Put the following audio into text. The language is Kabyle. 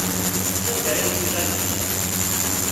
Sanda ara yeddu tameddit-a?